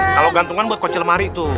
kalo gantungan buat koncil mari tuh